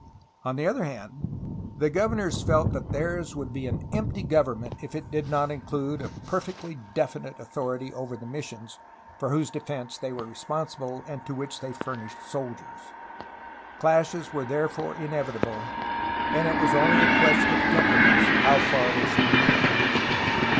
On the other hand, the governors felt that theirs would be an empty government if it did not include a perfectly definite authority over the missions, for whose defence they were responsible and to which they furnished soldiers. Clashes JUNlPERO SERRA .361 were therefore inevitable, and it was only a question of temperaments how far they should be carried.